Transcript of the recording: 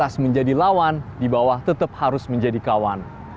yang di atas menjadi lawan di bawah tetap harus menjadi kawan